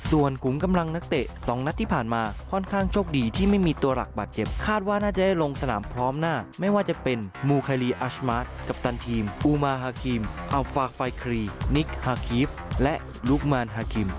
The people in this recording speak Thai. ส่วนกลุ่มกำลังนักเตะ๒นัดที่ผ่านมาค่อนข้างโชคดีที่ไม่มีตัวหลักบาดเจ็บคาดว่าน่าจะได้ลงสนามพร้อมหน้าไม่ว่าจะเป็นมูไคลีอัชมาร์คกัปตันทีมอูมาฮาคิมอัลฟาไฟครีนิกฮาคีฟและลูกมานฮาคิม